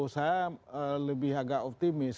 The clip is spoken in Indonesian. saya lebih agak optimis